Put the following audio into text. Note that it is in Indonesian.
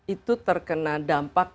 itu terkena dampak